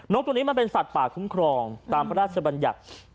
ตัวนี้มันเป็นสัตว์ป่าคุ้มครองตามพระราชบัญญัติ